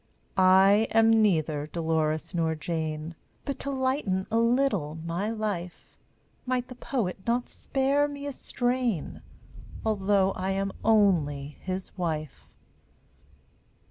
I am neither Dolores nor Jane, But to lighten a little my life Might the Poet not spare me a strain Although I am only his wife!